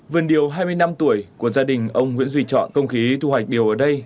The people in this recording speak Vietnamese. vườn điều hai mươi năm tuổi của gia đình ông nguyễn duy trọng không khí thu hoạch điều ở đây